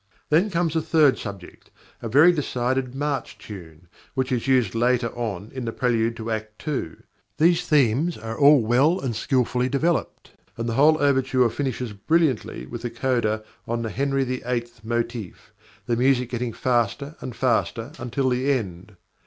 Then comes a third subject, a very decided march tune, which is used later on in the prelude to Act ii. These themes are all well and skilfully developed, and the whole overture finishes brilliantly with a coda on the "Henry VIII." motif, the music getting faster and faster until the end.